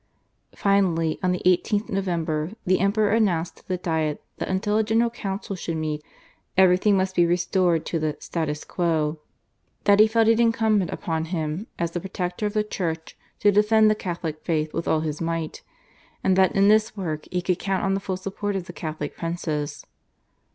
Finally, on the 18th November, the Emperor announced to the Diet that until a General Council should meet, everything must be restored to the /status quo/, that he felt it incumbent upon him as protector of the Church to defend the Catholic faith with all his might, and that in this work he could count on the full support of the Catholic princes.